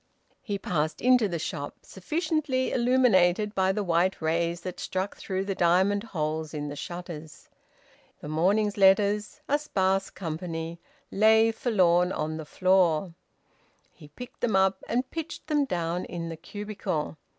He passed into the shop, sufficiently illuminated by the white rays that struck through the diamond holes in the shutters. The morning's letters a sparse company lay forlorn on the floor. He picked them up and pitched them down in the cubicle.